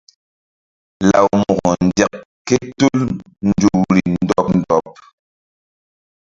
Law Mo̧ko nzek ké tul nzukri ndɔɓ ndɔɓ.